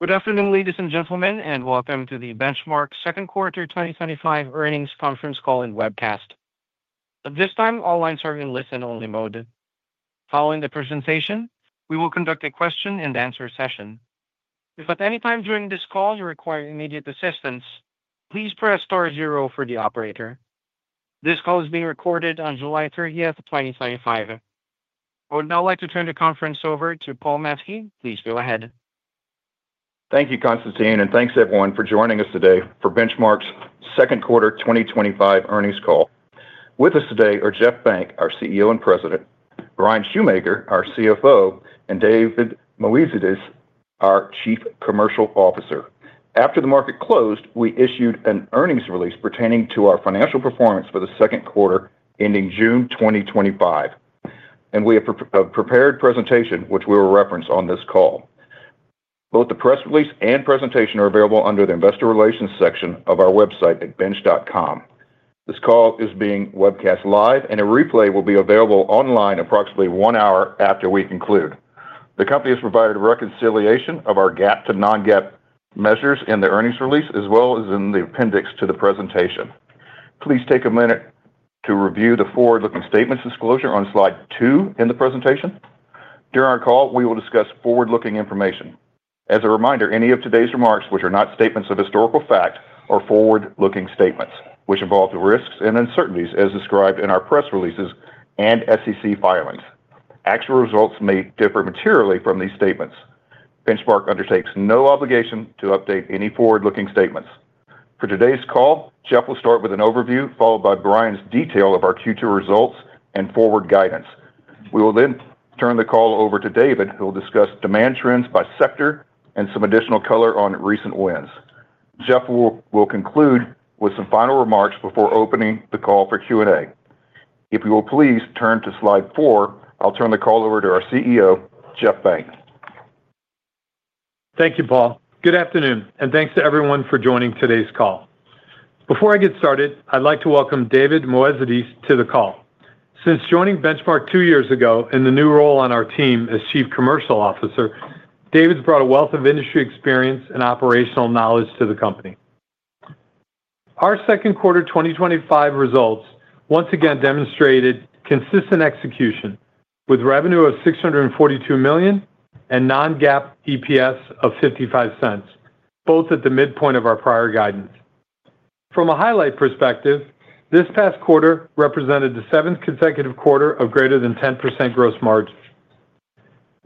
Good afternoon, ladies and gentlemen, and welcome to the Benchmark's Second Quarter 2025 Earnings Conference Call and Webcast. At this time, all lines are in listen-only mode. Following the presentation, we will conduct a question-and-answer session. If at any time during this call you require immediate assistance, please press *0 for the operator. This call is being recorded on July 30th, 2025. I would now like to turn the conference over to Paul Mansky. Please go ahead. Thank you, Constantine, and thanks everyone for joining us today for Benchmark's Second Quarter 2025 Earnings Call. With us today are Jeff Benck, our CEO and President, Bryan Schumaker, our CFO, and David Moezidis, our Chief Commercial Officer. After the market closed, we issued an earnings release pertaining to our financial performance for the second quarter ending June 2025. We have prepared a presentation which we will reference on this call. Both the press release and presentation are available under the Investor Relations section of our website at bench.com. This call is being webcast live, and a replay will be available online approximately one hour after we conclude. The company has provided reconciliation of our GAAP to non-GAAP measures in the earnings release, as well as in the appendix to the presentation. Please take a minute to review the forward-looking statements disclosure on slide two in the presentation. During our call, we will discuss forward-looking information. As a reminder, any of today's remarks, which are not statements of historical fact, are forward-looking statements, which involve the risks and uncertainties as described in our press releases and SEC filings. Actual results may differ materially from these statements. Benchmark undertakes no obligation to update any forward-looking statements. For today's call, Jeff will start with an overview, followed by Bryan's detail of our Q2 results and forward guidance. We will then turn the call over to David, who will discuss demand trends by sector and some additional color on recent wins. Jeff will conclude with some final remarks before opening the call for Q&A. If you will please turn to slide four, I'll turn the call over to our CEO, Jeff Benck. Thank you, Paul. Good afternoon, and thanks to everyone for joining today's call. Before I get started, I'd like to welcome David Moezidis to the call. Since joining Benchmark two years ago in the new role on our team as Chief Commercial Officer, David's brought a wealth of industry experience and operational knowledge to the company. Our second quarter 2025 results once again demonstrated consistent execution with revenue of $642 million and non-GAAP EPS of $0.55, both at the midpoint of our prior guidance. From a highlight perspective, this past quarter represented the seventh consecutive quarter of greater than 10% gross margins.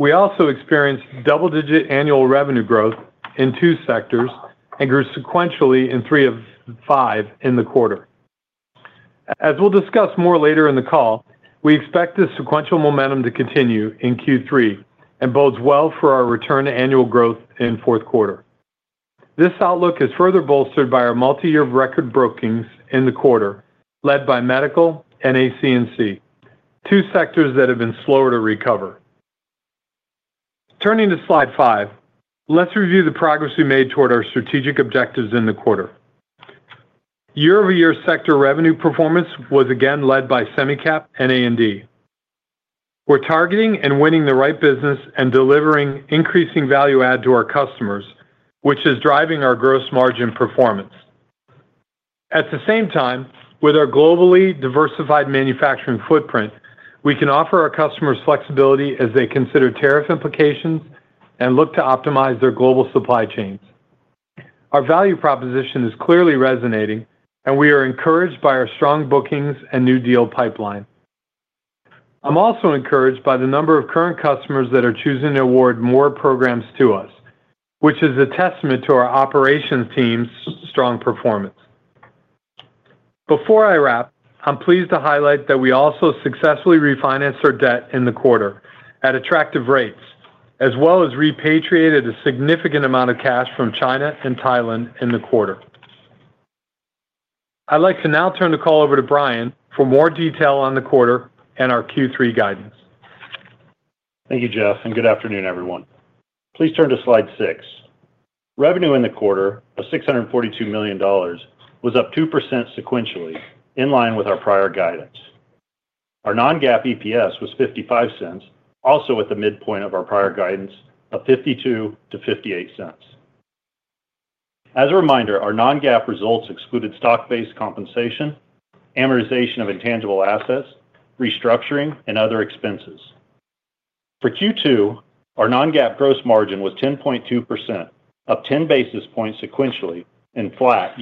We also experienced double-digit annual revenue growth in two sectors and grew sequentially in 3/5 in the quarter. As we'll discuss more later in the call, we expect this sequential momentum to continue in Q3 and bodes well for our return to annual growth in the fourth quarter. This outlook is further bolstered by our multi-year record bookings in the quarter, led by medical and ACNC, two sectors that have been slower to recover. Turning to slide five, let's review the progress we made toward our strategic objectives in the quarter. Year-over-year sector revenue performance was again led by Semicap and A&D. We're targeting and winning the right business and delivering increasing value add to our customers, which is driving our gross margin performance. At the same time, with our globally diversified manufacturing footprint, we can offer our customers flexibility as they consider tariff implications and look to optimize their global supply chains. Our value proposition is clearly resonating, and we are encouraged by our strong bookings and new deal pipeline. I'm also encouraged by the number of current customers that are choosing to award more programs to us, which is a testament to our operations team's strong performance. Before I wrap, I'm pleased to highlight that we also successfully refinanced our debt in the quarter at attractive rates, as well as repatriated a significant amount of cash from China and Thailand in the quarter. I'd like to now turn the call over to Bryan for more detail on the quarter and our Q3 guidance. Thank you, Jeff, and good afternoon, everyone. Please turn to slide six. Revenue in the quarter of $642 million was up 2% sequentially, in line with our prior guidance. Our non-GAAP EPS was $0.55, also at the midpoint of our prior guidance of $0.52-$0.58. As a reminder, our non-GAAP results excluded stock-based compensation, amortization of intangible assets, restructuring, and other expenses. For Q2, our non-GAAP gross margin was 10.2%, up 10 basis points sequentially and flat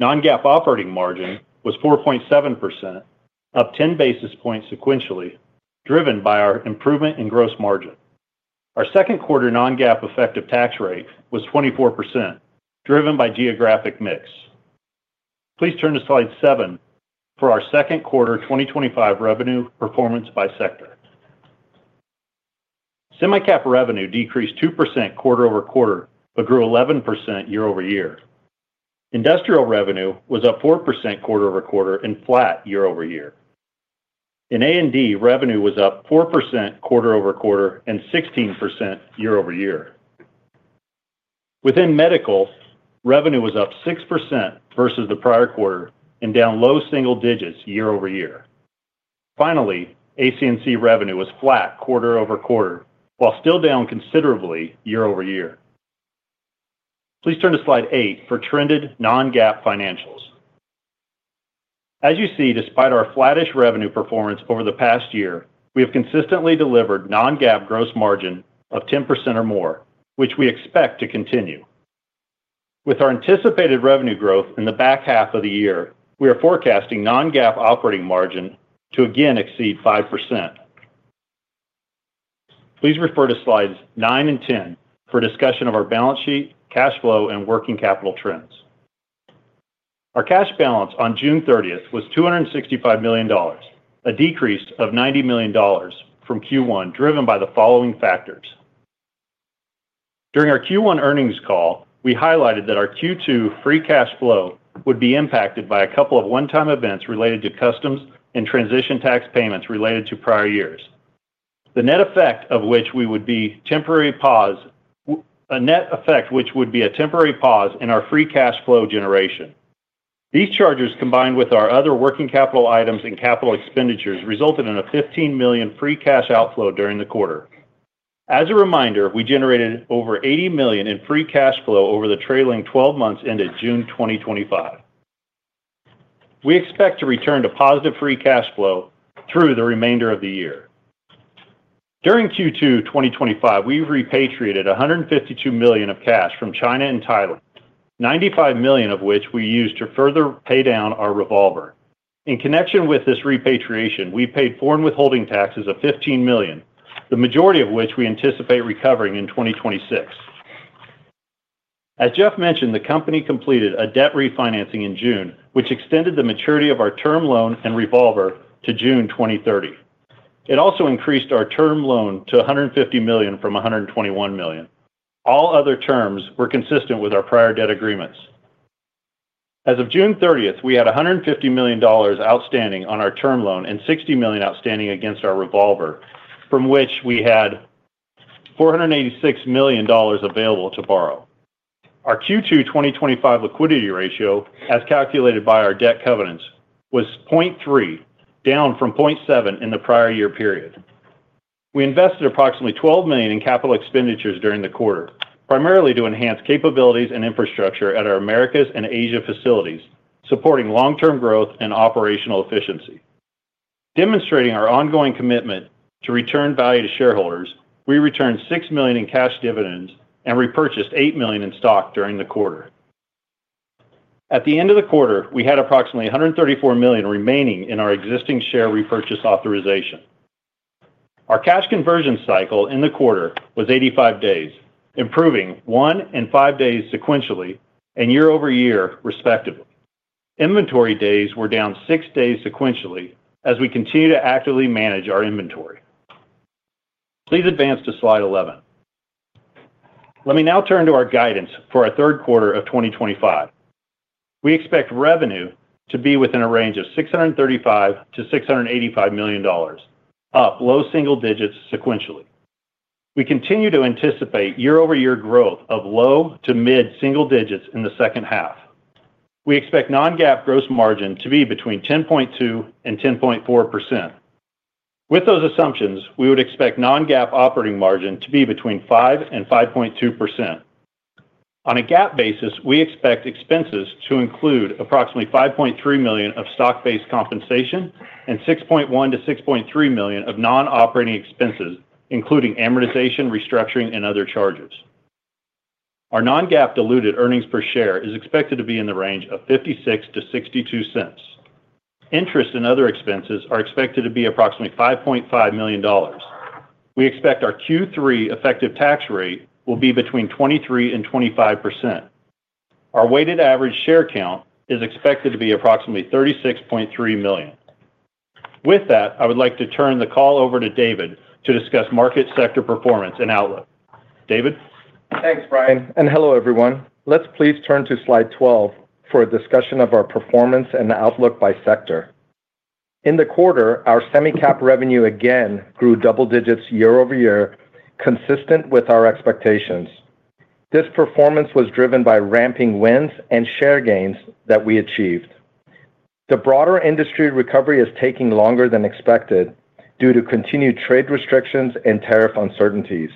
year-over-year. Non-GAAP operating margin was 4.7%, up 10 basis points sequentially, driven by our improvement in gross margin. Our second quarter non-GAAP effective tax rate was 24%, driven by geographic mix. Please turn to slide seven for our second quarter 2025 revenue performance by sector. Semicap revenue decreased 2% quarter-over-quarter, but grew 11% year-over-year. Industrial revenue was up 4% quarter-over-quarter and flat year-over-year. In A&D, revenue was up 4% quarter-over-quarter and 16% year-over-year. Within medical, revenue was up 6% versus the prior quarter and down low single digits year-over-year. Finally, ACNC revenue was flat quarter-over-quarter, while still down considerably year-over-year. Please turn to slide eight for trended non-GAAP financials. As you see, despite our flattish revenue performance over the past year, we have consistently delivered non-GAAP gross margin of 10% or more, which we expect to continue. With our anticipated revenue growth in the back half of the year, we are forecasting non-GAAP operating margin to again exceed 5%. Please refer to slides nine and 10 for discussion of our balance sheet, cash flow, and working capital trends. Our cash balance on June 30th was $265 million, a decrease of $90 million from Q1, driven by the following factors. During our Q1 earnings call, we highlighted that our Q2 free cash flow would be impacted by a couple of one-time events related to customs and transition tax payments related to prior years, the net effect of which would be a temporary pause in our free cash flow generation. These charges, combined with our other working capital items and capital expenditures, resulted in a $15 million free cash outflow during the quarter. As a reminder, we generated over $80 million in free cash flow over the trailing 12 months ended June 2025. We expect to return to positive free cash flow through the remainder of the year. During Q2 2025, we repatriated $152 million of cash from China and Thailand, $95 million of which we used to further pay down our revolver. In connection with this repatriation, we paid foreign withholding taxes of $15 million, the majority of which we anticipate recovering in 2026. As Jeff mentioned, the company completed a debt refinancing in June, which extended the maturity of our term loan and revolver to June 2030. It also increased our term loan to $150 million from $121 million. All other terms were consistent with our prior debt agreements. As of June 30th, we had $150 million outstanding on our term loan and $60 million outstanding against our revolver, from which we had $486 million available to borrow. Our Q2 2025 liquidity ratio, as calculated by our debt covenants, was 0.3, down from 0.7 in the prior year period. We invested approximately $12 million in capital expenditures during the quarter, primarily to enhance capabilities and infrastructure at our Americas and Asia facilities, supporting long-term growth and operational efficiency. Demonstrating our ongoing commitment to return value to shareholders, we returned $6 million in cash dividends and repurchased $8 million in stock during the quarter. At the end of the quarter, we had approximately $134 million remaining in our existing share repurchase authorization. Our cash conversion cycle in the quarter was 85 days, improving one and five days sequentially and year-over-year, respectively. Inventory days were down six days sequentially as we continue to actively manage our inventory. Please advance to slide 11. Let me now turn to our guidance for our third quarter of 2025. We expect revenue to be within a range of $635 million-$685 million, up low single digits sequentially. We continue to anticipate year-over-year growth of low to mid-single digits in the second half. We expect non-GAAP gross margin to be between 10.2% and 10.4%. With those assumptions, we would expect non-GAAP operating margin to be between 5% and 5.2%. On a GAAP basis, we expect expenses to include approximately $5.3 million of stock-based compensation and $6.1 million-$6.3 million of non-operating expenses, including amortization, restructuring, and other charges. Our non-GAAP diluted earnings per share is expected to be in the range of $0.56-$0.62. Interest and other expenses are expected to be approximately $5.5 million. We expect our Q3 effective tax rate will be between 23% and 25%. Our weighted average share count is expected to be approximately $36.3 million. With that, I would like to turn the call over to David to discuss market sector performance and outlook. David? Thanks, Bryan, and hello everyone. Let's please turn to slide 12 for a discussion of our performance and outlook by sector. In the quarter, our Semicap revenue again grew double digits year-over-year, consistent with our expectations. This performance was driven by ramping wins and share gains that we achieved. The broader industry recovery is taking longer than expected due to continued trade restrictions and tariff uncertainties.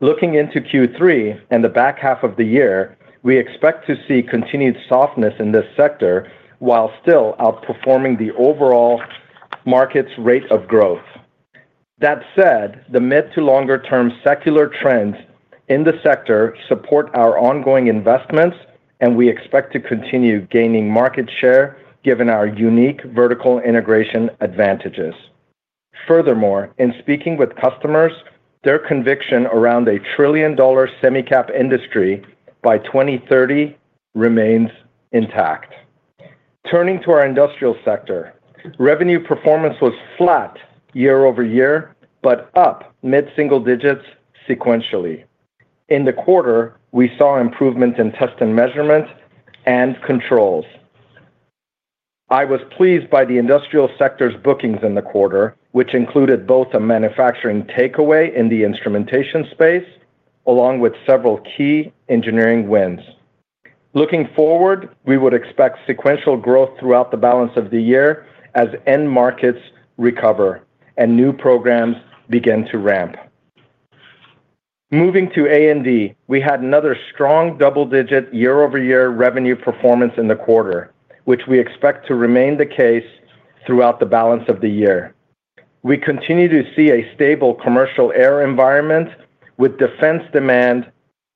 Looking into Q3 and the back half of the year, we expect to see continued softness in this sector while still outperforming the overall market's rate of growth. That said, the mid- to longer-term secular trends in the sector support our ongoing investments, and we expect to continue gaining market share given our unique vertical integration advantages. Furthermore, in speaking with customers, their conviction around a trillion-dollar Semicap industry by 2030 remains intact. Turning to our industrial sector, revenue performance was flat year-over-year, but up mid-single digits sequentially. In the quarter, we saw improvements in test and measurement and controls. I was pleased by the industrial sector's bookings in the quarter, which included both a manufacturing takeaway in the instrumentation space, along with several key engineering wins. Looking forward, we would expect sequential growth throughout the balance of the year as end markets recover and new programs begin to ramp. Moving to A&D, we had another strong double-digit year-over-year revenue performance in the quarter, which we expect to remain the case throughout the balance of the year. We continue to see a stable commercial air environment, with defense demand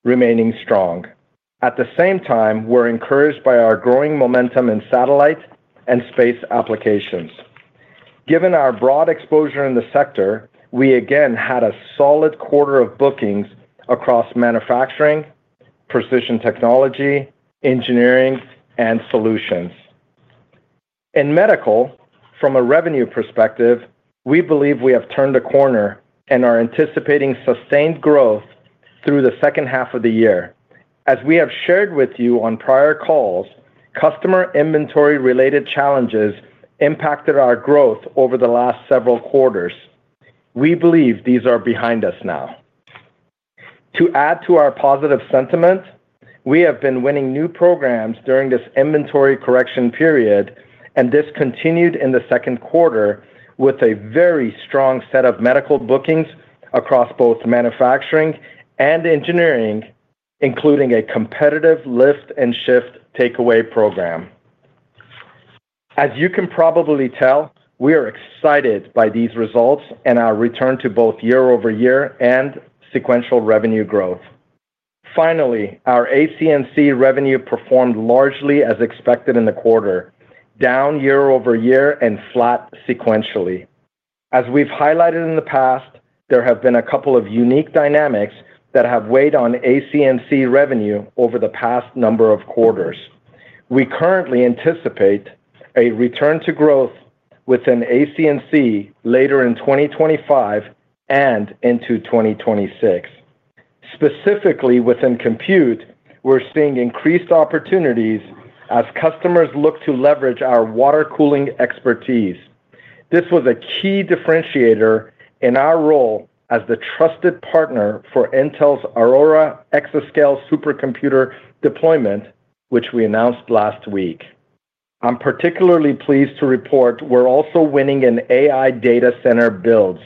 remaining strong. At the same time, we're encouraged by our growing momentum in satellite and space applications. Given our broad exposure in the sector, we again had a solid quarter of bookings across manufacturing, precision technology, engineering, and solutions. In medical, from a revenue perspective, we believe we have turned a corner and are anticipating sustained growth through the second half of the year. As we have shared with you on prior calls, customer inventory-related challenges impacted our growth over the last several quarters. We believe these are behind us now. To add to our positive sentiment, we have been winning new programs during this inventory correction period, and this continued in the second quarter with a very strong set of medical bookings across both manufacturing and engineering, including a competitive lift and shift takeaway program. As you can probably tell, we are excited by these results and our return to both year-over-year and sequential revenue growth. Finally, our ACNC revenue performed largely as expected in the quarter, down year-over-year and flat sequentially. As we've highlighted in the past, there have been a couple of unique dynamics that have weighed on ACNC revenue over the past number of quarters. We currently anticipate a return to growth within ACNC later in 2025 and into 2026. Specifically, within compute, we're seeing increased opportunities as customers look to leverage our liquid cooling expertise. This was a key differentiator in our role as the trusted partner for Intel's Aurora exascale supercomputer deployment, which we announced last week. I'm particularly pleased to report we're also winning in AI data center builds,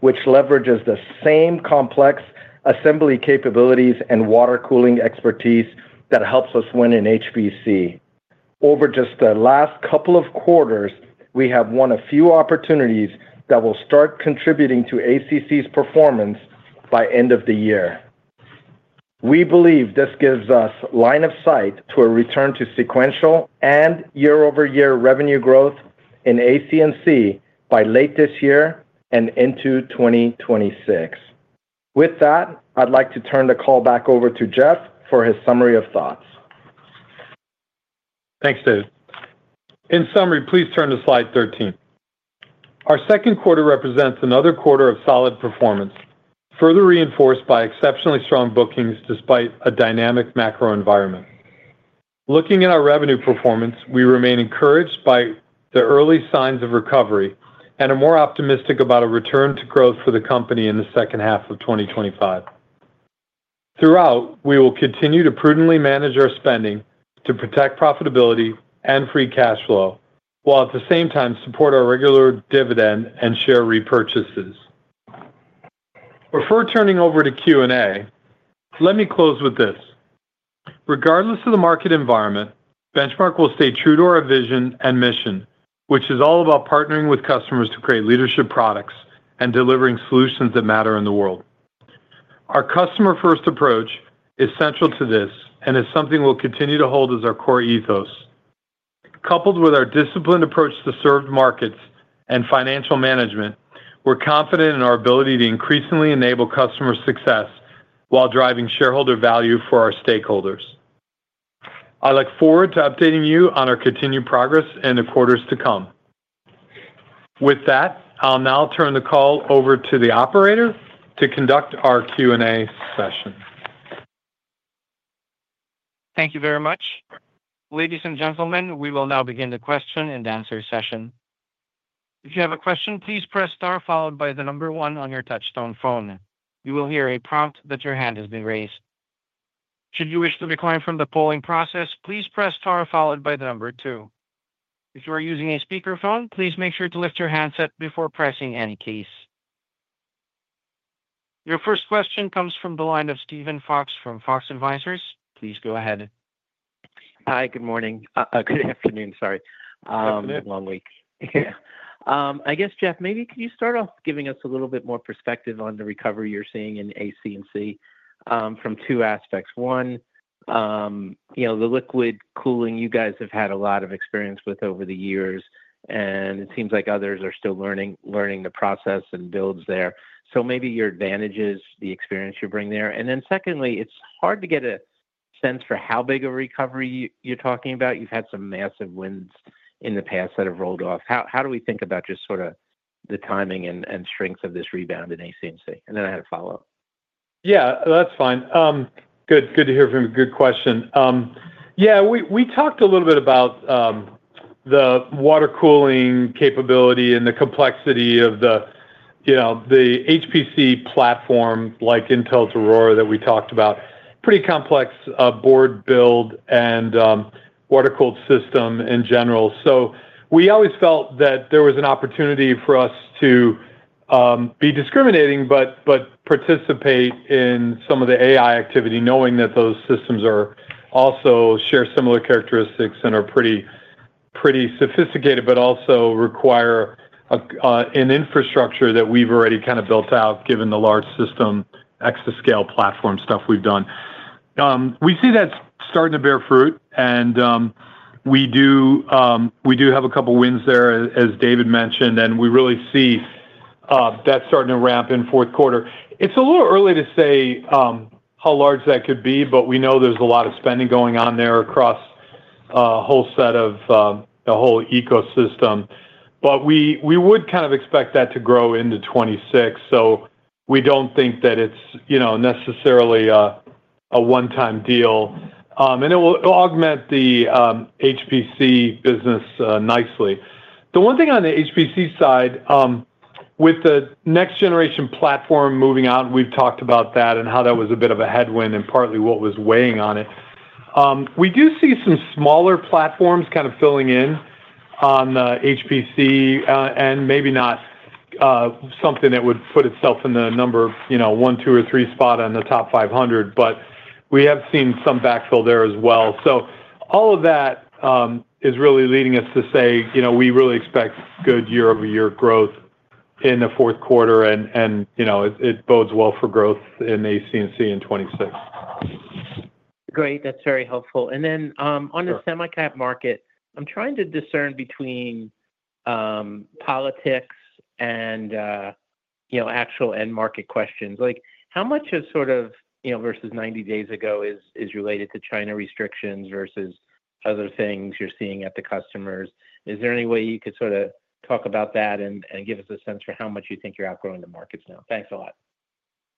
which leverages the same complex computer system assembly capabilities and liquid cooling expertise that helps us win in HPC. Over just the last couple of quarters, we have won a few opportunities that will start contributing to ACNC's performance by end of the year. We believe this gives us line of sight to a return to sequential and year-over-year revenue growth in ACNC by late this year and into 2026. With that, I'd like to turn the call back over to Jeff for his summary of thoughts. Thanks, David. In summary, please turn to slide 13. Our second quarter represents another quarter of solid performance, further reinforced by exceptionally strong bookings despite a dynamic macro environment. Looking at our revenue performance, we remain encouraged by the early signs of recovery and are more optimistic about a return to growth for the company in the second half of 2025. Throughout, we will continue to prudently manage our spending to protect profitability and free cash flow, while at the same time support our regular dividend and share repurchases. Before turning over to Q&A, let me close with this: regardless of the market environment, Benchmar will stay true to our vision and mission, which is all about partnering with customers to create leadership products and delivering solutions that matter in the world. Our customer-first approach is central to this and is something we'll continue to hold as our core ethos. Coupled with our disciplined approach to served markets and financial management, we're confident in our ability to increasingly enable customer success while driving shareholder value for our stakeholders. I look forward to updating you on our continued progress in the quarters to come. With that, I'll now turn the call over to the operator to conduct our Q&A session. Thank you very much. Ladies and gentlemen, we will now begin the question-and-answer session. If you have a question, please press star followed by the number one on your touch-tone phone. You will hear a prompt that your hand has been raised. Should you wish to decline from the polling process, please press star followed by the number two. If you are using a speakerphone, please make sure to lift your handset before pressing any keys. Your first question comes from the line of Steven Bryant Fox from Fox Advisors. Please go ahead. Hi, good morning. Good afternoon. Sorry. Long week. Yeah. I guess, Jeff, maybe can you start off giving us a little bit more perspective on the recovery you're seeing in ACNC from two aspects. One, you know, the liquid cooling you guys have had a lot of experience with over the years, and it seems like others are still learning the process and builds there. Maybe your advantages, the experience you bring there. Secondly, it's hard to get a sense for how big of a recovery you're talking about. You've had some massive wins in the past that have rolled off. How do we think about just sort of the timing and strength of this rebound in ACNC? I had a follow-up. Yeah, that's fine. Good to hear from you. Good question. Yeah, we talked a little bit about the water cooling capability and the complexity of the, you know, the HPC platform like Intel's Aurora that we talked about. Pretty complex board build and water-cooled system in general. We always felt that there was an opportunity for us to be discriminating, but participate in some of the AI activity, knowing that those systems also share similar characteristics and are pretty sophisticated, but also require an infrastructure that we've already kind of built out given the large system exascale platform stuff we've done. We see that's starting to bear fruit, and we do have a couple of wins there, as David mentioned, and we really see that starting to ramp in fourth quarter. It's a little early to say how large that could be, but we know there's a lot of spending going on there across a whole set of the whole ecosystem. We would kind of expect that to grow into 2026. We don't think that it's, you know, necessarily a one-time deal. It will augment the HPC business nicely. The one thing on the HPC side, with the next-generation platform moving out, and we've talked about that and how that was a bit of a headwind and partly what was weighing on it. We do see some smaller platforms kind of filling in on the HPC and maybe not something that would put itself in the number of, you know, one, two, or three spot on the top 500, but we have seen some backfill there as well. All of that is really leading us to say, you know, we really expect good year-over-year growth in the fourth quarter, and, you know, it bodes well for growth in ACNC in 2026. Great, that's very helpful. On the Semicap market, I'm trying to discern between politics and actual end market questions. How much of, sort of, versus 90 days ago is related to China restrictions versus other things you're seeing at the customers? Is there any way you could talk about that and give us a sense for how much you think you're outgrowing the markets now? Thanks a lot.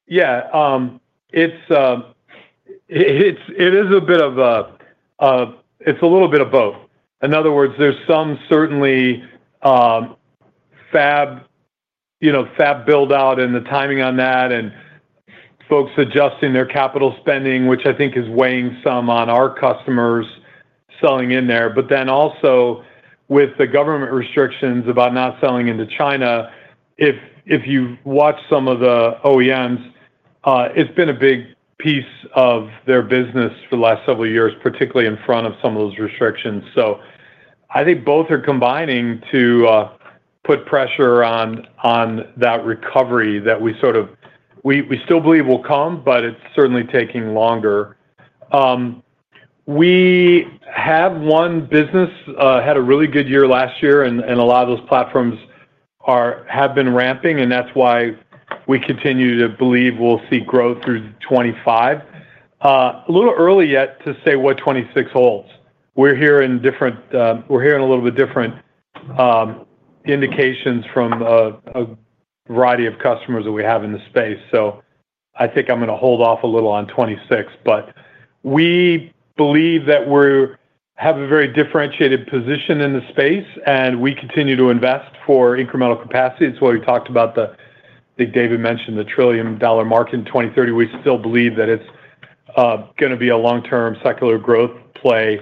Yeah, it's a little bit of both. In other words, there's certainly some fab build-out and the timing on that and folks adjusting their capital spending, which I think is weighing some on our customers selling in there. Also, with the government restrictions about not selling into China, if you watch some of the OEMs, it's been a big piece of their business for the last several years, particularly in front of some of those restrictions. I think both are combining to put pressure on that recovery that we still believe will come, but it's certainly taking longer. We have one business that had a really good year last year, and a lot of those platforms have been ramping, and that's why we continue to believe we'll see growth through 2025. It's a little early yet to say what 2026 holds. We're hearing a little bit different indications from a variety of customers that we have in the space. I think I'm going to hold off a little on 2026, but we believe that we have a very differentiated position in the space, and we continue to invest for incremental capacity. It's what we talked about, I think David mentioned the trillion-dollar mark in 2030. We still believe that it's going to be a long-term secular growth play.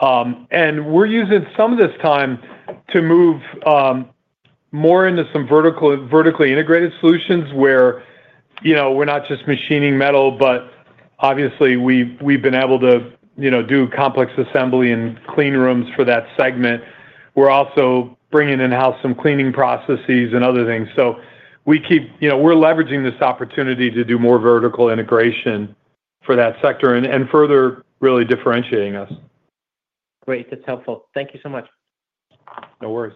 We're using some of this time to move more into some vertically integrated solutions where, you know, we're not just machining metal, but obviously we've been able to do complex assembly and clean rooms for that segment. We're also bringing in-house some cleaning processes and other things. We keep leveraging this opportunity to do more vertical integration for that sector and further really differentiating us. Great, that's helpful. Thank you so much. No worries.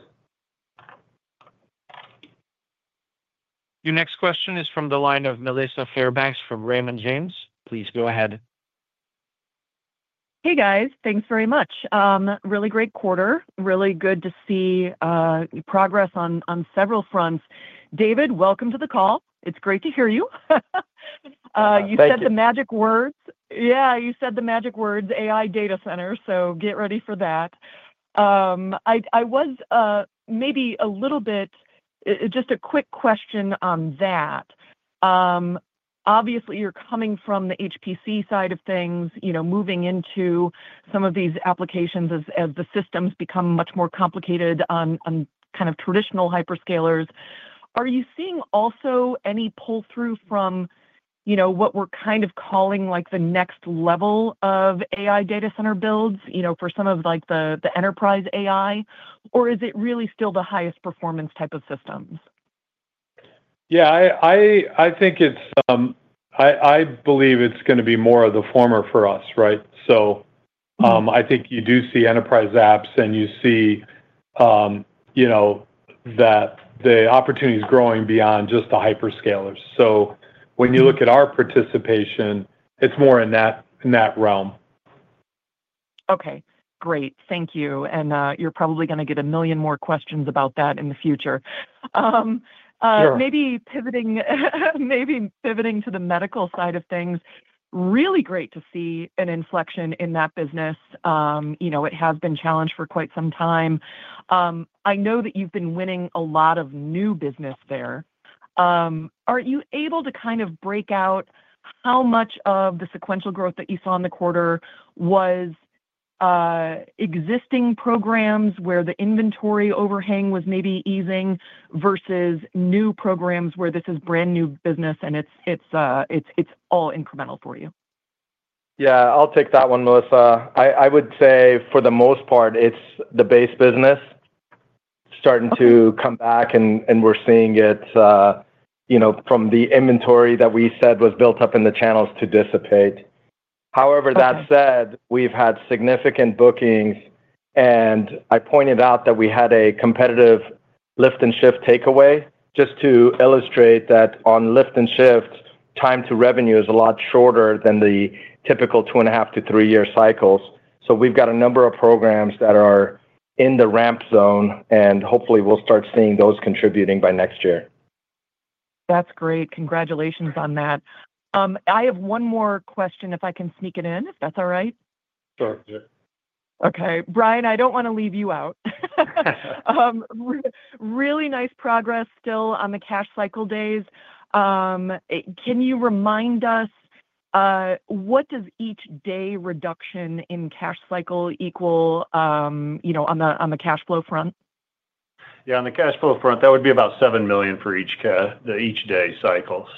Your next question is from the line of Melissa Ann Dailey Fairbanks from Raymond James & Associates. Please go ahead. Hey guys, thanks very much. Really great quarter. Really good to see progress on several fronts. David, welcome to the call. It's great to hear you. You said the magic words. Yeah, you said the magic words, AI data center. Get ready for that. I was maybe a little bit, just a quick question on that. Obviously, you're coming from the HPC side of things, moving into some of these applications as the systems become much more complicated on kind of traditional hyperscalers. Are you seeing also any pull-through from what we're kind of calling like the next level of AI data center builds, for some of like the enterprise AI, or is it really still the highest performance type of systems? I think it's going to be more of the former for us, right? I think you do see enterprise apps and you see that the opportunity is growing beyond just the hyperscalers. When you look at our participation, it's more in that realm. Okay, great. Thank you. You're probably going to get a million more questions about that in the future. Maybe pivoting to the medical side of things, really great to see an inflection in that business. It has been challenged for quite some time. I know that you've been winning a lot of new business there. Are you able to kind of break out how much of the sequential growth that you saw in the quarter was existing programs where the inventory overhang was maybe easing versus new programs where this is brand new business and it's all incremental for you? Yeah, I'll take that one, Melissa. I would say for the most part, it's the base business starting to come back and we're seeing it from the inventory that we said was built up in the channels to dissipate. However, that said, we've had significant bookings and I pointed out that we had a competitive lift and shift takeaway just to illustrate that on lift and shift, time to revenue is a lot shorter than the typical two and a half to three-year cycles. We've got a number of programs that are in the ramp zone and hopefully we'll start seeing those contributing by next year. That's great. Congratulations on that. I have one more question if I can sneak it in, if that's all right. Sure, yeah. Okay, Bryan, I don't want to leave you out. Really nice progress still on the cash cycle days. Can you remind us, what does each day reduction in cash cycle equal, you know, on the cash flow front? Yeah, on the cash flow front, that would be about $7 million for each day cycle.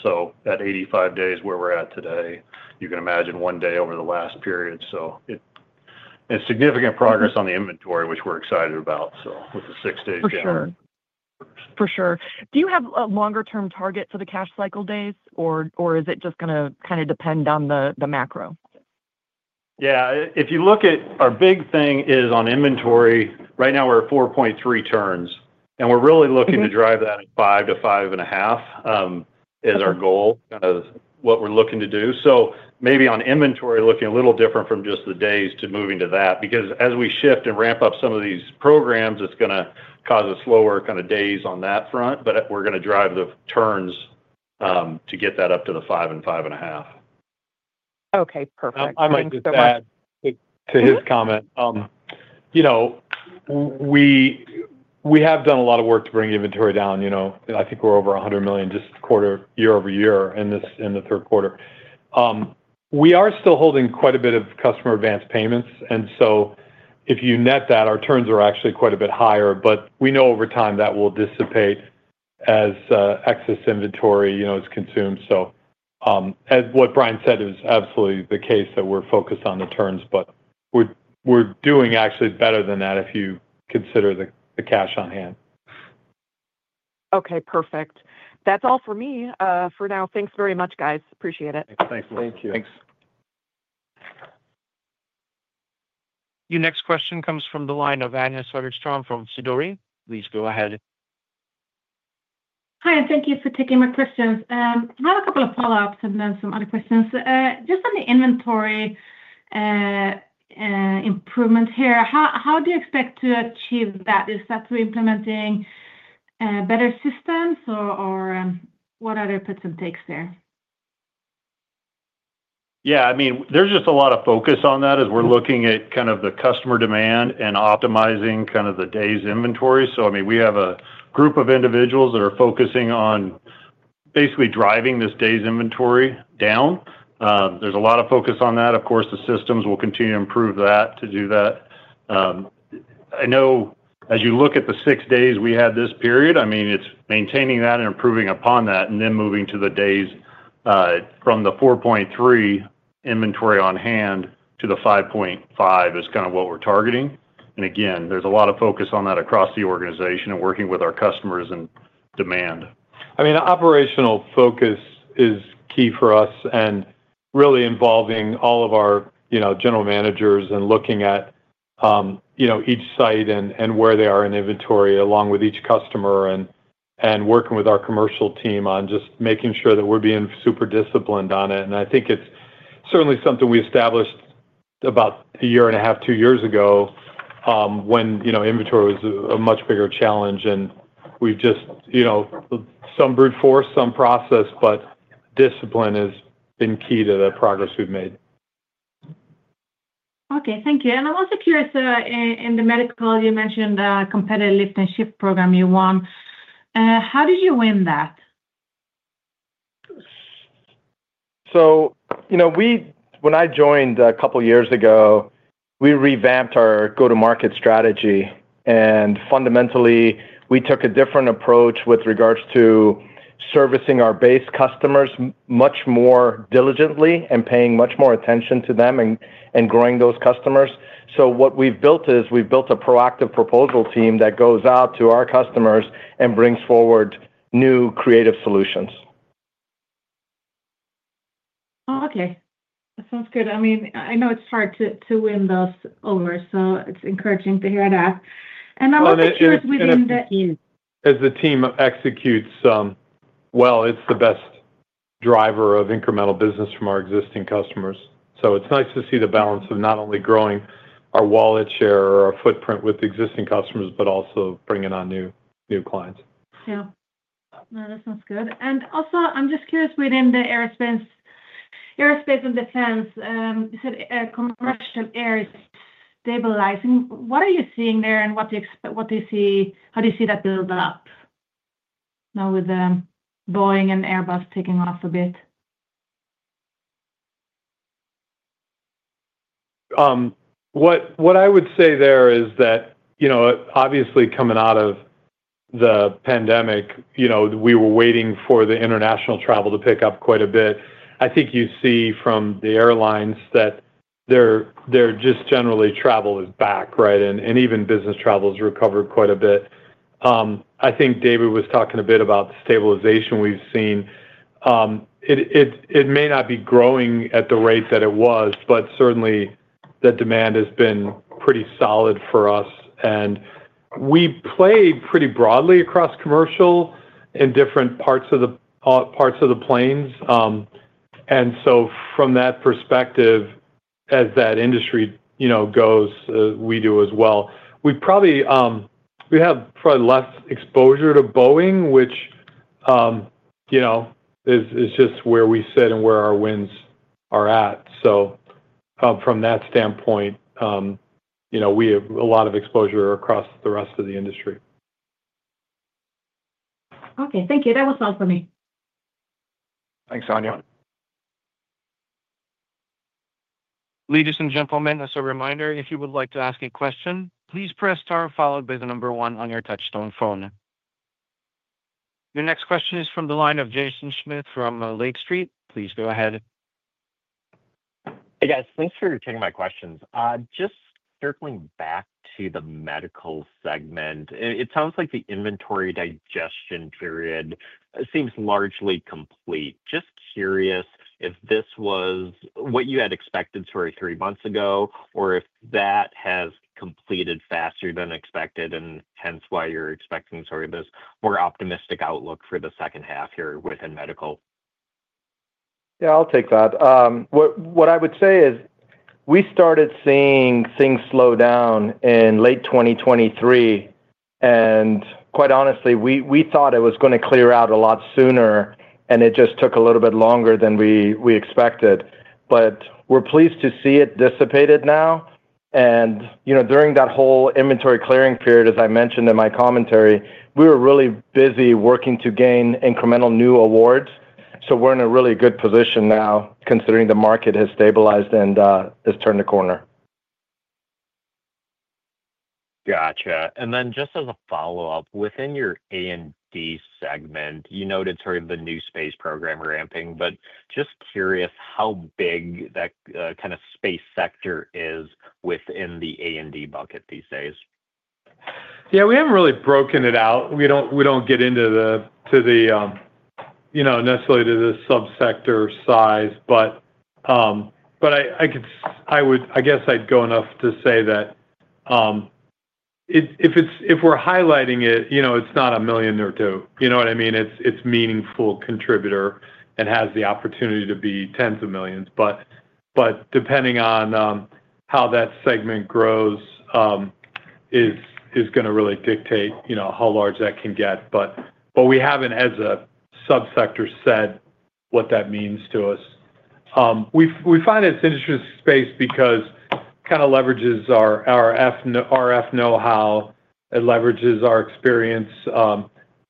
That 85 days where we're at today, you can imagine one day over the last period. It's significant progress on the inventory, which we're excited about. With the six days given. For sure. Do you have a longer-term target for the cash conversion cycle days, or is it just going to kind of depend on the macro? Yeah, if you look at our big thing is on inventory, right now we're at 4.3 turns, and we're really looking to drive that at f5-5.5 turns is our goal, kind of what we're looking to do. Maybe on inventory, looking a little different from just the days to moving to that, because as we shift and ramp up some of these programs, it's going to cause a slower kind of days on that front, but we're going to drive the turns to get that up to the five and 5.5 turns. Okay, perfect. I'm going to add to his comment. We have done a lot of work to bring inventory down. I think we're over $100 million just quarter, year-over-year, in the third quarter. We are still holding quite a bit of customer advanced payments, and if you net that, our turns are actually quite a bit higher. We know over time that will dissipate as excess inventory is consumed. As Bryan said, it was absolutely the case that we're focused on the turns, but we're doing actually better than that if you consider the cash on hand. Okay, perfect. That's all for me for now. Thanks very much, guys. Appreciate it. Thanks, Melissa. Thanks. Your next question comes from the line of Anja Soderstrom from Sidoti. Please go ahead. Hi, and thank you for taking my questions. I have a couple of follow-ups and then some other questions. Just on the inventory improvement here, how do you expect to achieve that? Is that through implementing better systems or what are the efforts and takes there? Yeah, I mean, there's just a lot of focus on that as we're looking at kind of the customer demand and optimizing kind of the day's inventory. We have a group of individuals that are focusing on basically driving this day's inventory down. There's a lot of focus on that. Of course, the systems will continue to improve that to do that. I know as you look at the six days we had this period, it's maintaining that and improving upon that and then moving to the days from the 4.3 inventory on hand to the 5.5 is kind of what we're targeting. Again, there's a lot of focus on that across the organization and working with our customers and demand. Operational focus is key for us and really involving all of our, you know, general managers and looking at, you know, each site and where they are in inventory along with each customer and working with our commercial team on just making sure that we're being super disciplined on it. I think it's certainly something we established about a year and a half, two years ago when, you know, inventory was a much bigger challenge. We've just, you know, some brute force, some process, but discipline has been key to the progress we've made. Thank you. I'm also curious, in the medical, you mentioned the competitive lift and shift program you won. How did you win that? When I joined a couple of years ago, we revamped our go-to-market strategy. Fundamentally, we took a different approach with regards to servicing our base customers much more diligently and paying much more attention to them and growing those customers. What we've built is a proactive proposal team that goes out to our customers and brings forward new creative solutions. Okay, that sounds good. I know it's hard to win those over, so it's encouraging to hear that. I'm also curious within the team. As the team executes well, it's the best driver of incremental business from our existing customers. It's nice to see the balance of not only growing our wallet share or our footprint with existing customers, but also bringing on new clients. That sounds good. I'm just curious, within the Aerospace & Defense, you said commercial air is stabilizing. What are you seeing there, and how do you see that build out now with Boeing and Airbus taking off a bit? What I would say there is that, obviously coming out of the pandemic, we were waiting for the international travel to pick up quite a bit. I think you see from the airlines that just generally travel is back, right? Even business travel has recovered quite a bit. I think David was talking a bit about the stabilization we've seen. It may not be growing at the rate that it was, but certainly the demand has been pretty solid for us. We play pretty broadly across commercial in different parts of the planes. From that perspective, as that industry goes, we do as well. We have probably less exposure to Boeing, which is just where we sit and where our wins are at. From that standpoint, we have a lot of exposure across the rest of the industry. Okay, thank you. That was all for me. Thanks, Anja. Ladies and gentlemen, as a reminder, if you would like to ask a question, please press star followed by the number one on your touch-tone phone. Your next question is from the line of Jaeson Schmidt from Lake Street. Please go ahead. Hey guys, thanks for taking my questions. Just circling back to the medical segment, it sounds like the inventory digestion period seems largely complete. Just curious if this was what you had expected sort of three months ago or if that has completed faster than expected and hence why you're expecting sort of this more optimistic outlook for the second half here within medical. Yeah, I'll take that. What I would say is we started seeing things slow down in late 2023, and quite honestly, we thought it was going to clear out a lot sooner. It just took a little bit longer than we expected. We're pleased to see it dissipated now. During that whole inventory clearing period, as I mentioned in my commentary, we were really busy working to gain incremental new awards. We're in a really good position now considering the market has stabilized and has turned a corner. Gotcha. Just as a follow-up, within your A&D segment, you noted sort of the new space program ramping. I'm just curious how big that kind of space sector is within the A&D bucket these days. Yeah, we haven't really broken it out. We don't get into the, you know, necessarily to the subsector size, but I could, I would, I guess I'd go enough to say that if we're highlighting it, you know, it's not $1 million or $2 million. You know what I mean? It's a meaningful contributor and has the opportunity to be tens of millions. Depending on how that segment grows is going to really dictate, you know, how large that can get. We haven't, as a subsector, said what that means to us. We find it's an interesting space because it kind of leverages our RF know-how. It leverages our experience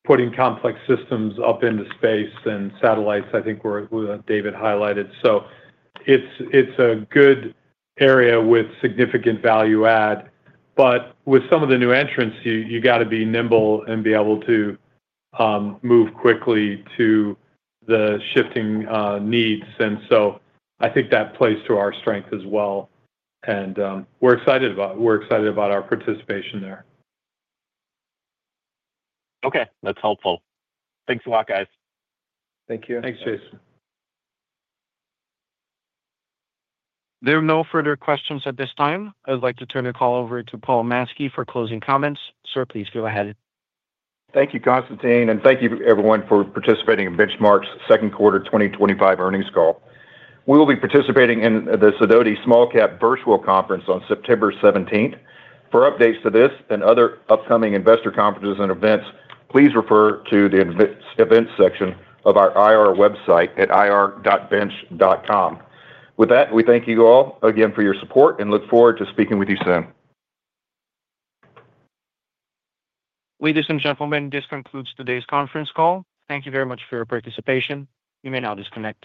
putting complex systems up into space and satellites, I think, where David highlighted. It's a good area with significant value add. With some of the new entrants, you've got to be nimble and be able to move quickly to the shifting needs. I think that plays to our strength as well. We're excited about our participation there. Okay, that's helpful. Thanks a lot, guys. Thank you. Thanks, Jaeson. There are no further questions at this time. I would like to turn the call over to Paul Mansky for closing comments. Sir, please go ahead. Thank you, Constantine, and thank you everyone for participating in Benchmark's Second Quarter 2025 Earnings Call. We will be participating in the Sidoti Small Cap Virtual Conference on September 17. For updates to this and other upcoming investor conferences and events, please refer to the events section of our IR website at ir.bench.com. With that, we thank you all again for your support and look forward to speaking with you soon. Ladies and gentlemen, this concludes today's conference call. Thank you very much for your participation. You may now disconnect.